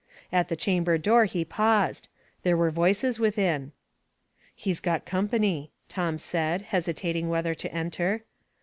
At the. chamber door he paused; there were voices within. " He's got company," Tom said, hesitating whether to enter.